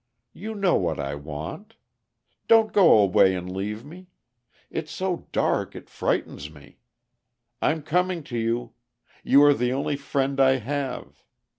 You know what I want. Don't go away and leave me! It's so dark, it frightens me. I'm coming to you! You are the only friend I have.